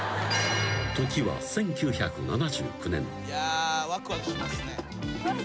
［時は１９７９年］